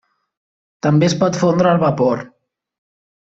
També es pot fondre al vapor.